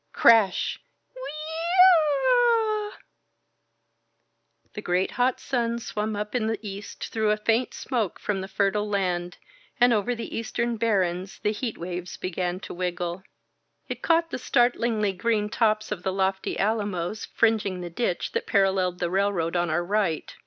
Crash — ^Whee e eaaa !! The great hot sun swam up in the east through a faint smoke from the fertile land, and over the eastern barrens the heat waves began to wiggle. It caught the SIS THE BLOODY DAWN startlmgly green tops of the lofty alamos fringing the ditch that paralleled the railroad on our right.